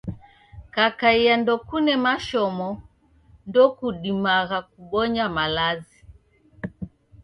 Kakai ndokune mashomo, ndokudumagha kubonya malazi.